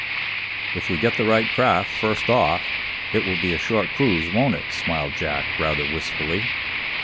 "If we get the right craft, first off, it will be a short cruise, won't it?" smiled Jack, rather wistfully.